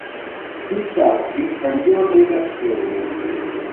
Più tardi cambiò redazione.